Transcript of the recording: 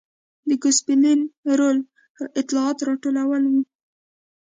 د ګوسپلین رول اطلاعات راټولول و.